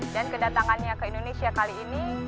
dan kedatangannya ke indonesia kali ini